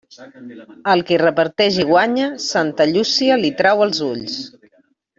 Al qui reparteix i guanya, santa Llúcia li trau els ulls.